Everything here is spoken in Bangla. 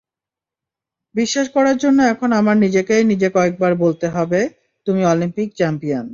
বিশ্বাস করার জন্য এখন আমার নিজেকেই নিজে কয়েকবার বলতে হবে—তুমি অলিম্পিক চ্যাম্পিয়ন।